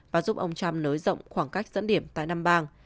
và giúp ông trump nới rộng khoảng cách dẫn điểm tại năm bang